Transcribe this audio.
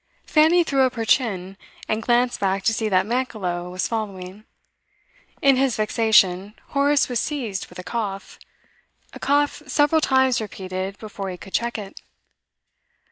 Fanny threw up her chin, and glanced back to see that Mankelow was following. In his vexation, Horace was seized with a cough a cough several times repeated before he could check it.